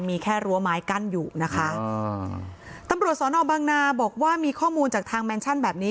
มีแค่รั้วไม้กั้นอยู่นะคะอ่าตำรวจสอนอบางนาบอกว่ามีข้อมูลจากทางแมนชั่นแบบนี้